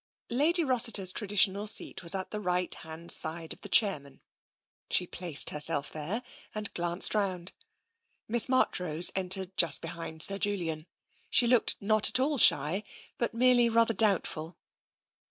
Lady Rossiter's traditional seat was at the right hand side of the chairman. She placed herself there and glanced round. Miss Marchrose entered just behind Sir Julian. She looked not at all shy, but merely rather doubtful.